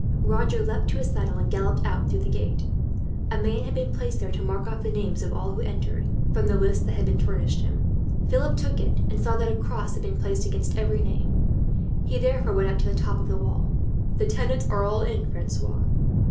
Roger leapt to his saddle, and galloped out through the gate. A man had been placed there to mark off the names of all who entered, from the list that had been furnished him. Philip took it, and saw that a cross had been placed against every name. He therefore went up to the top of the wall. "The tenants are all in, Francois!"